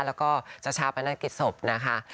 แล้วก็จะช้าไปในศพนะคะ